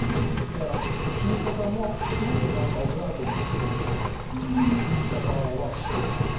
だから言い方もすごくオブラートに包んでたような言い方はしてたね。